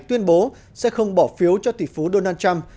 tuyên bố sẽ không bỏ phiếu cho tỷ phú donald trump